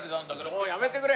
ああやめてくれ！